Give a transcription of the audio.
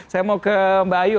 saya mau ke mbak ayu